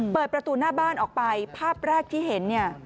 เปิดประตูหน้าบ้านออกไปภาพแรกที่เห็นเนี่ย